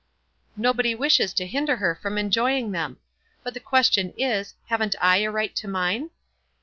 "Nobody wishes to hinder her from enjoying them. But the question is, Haven't I a right to mine?"